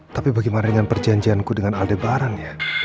tapi bagaimana dengan perjanjianku dengan aldebaran ya